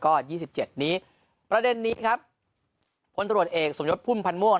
ก็ยี่สิบเจ็ดนี้ประเด็นนี้ครับคนตรวจเองสมยดพุ่มพันม่วง